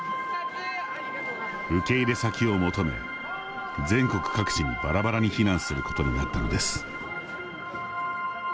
受け入れ先を求め、全国各地にバラバラに避難することになったのです。